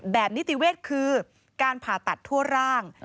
นิติเวศคือการผ่าตัดทั่วร่าง